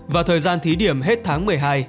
và thời gian thí điểm hết tháng một mươi hai